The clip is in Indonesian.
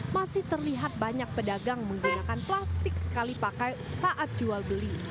masih terlihat banyak pedagang menggunakan plastik sekali pakai saat jual beli